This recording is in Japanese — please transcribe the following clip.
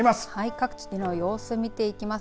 各地の様子を見ていきます。